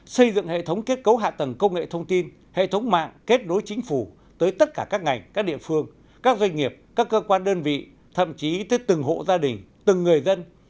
xây dựng hệ thống kết cấu hạ tầng công nghệ thông tin hệ thống mạng kết đối chính phủ tới tất cả các ngành các địa phương các doanh nghiệp các cơ quan đơn vị thậm chí tới từng hộ gia đình từng người dân